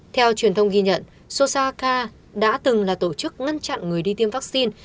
theo truyền thông ghi nhận sosaka đã từng là tổ chức ngăn chặn người đi tiêm vaccine